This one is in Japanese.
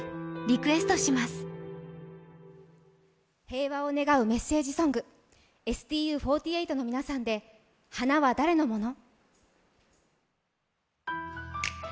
平和を願うメッセージソング、ＳＴＵ４８の皆さんで「花は誰のもの？」。